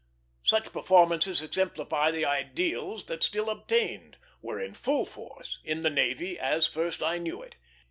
Such performances exemplify the ideals that still obtained were in full force in the navy as first I knew it.